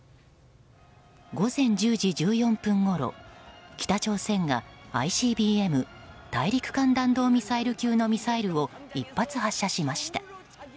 午前１０時１４分ごろ北朝鮮がＩＣＢＭ・大陸間弾道ミサイル級のミサイルを１発、発射しました。